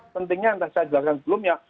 pentingnya yang saya jelaskan sebelumnya